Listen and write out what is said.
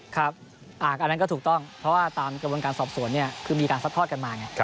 อันนั้นก็ถูกต้องเพราะว่าตามกระบวนการสอบสวนเนี่ยคือมีการซัดทอดกันมาไง